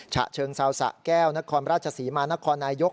ฉะเชิงเซาสะแก้วนครราชศรีมานครนายก